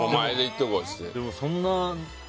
お前が行って来いって。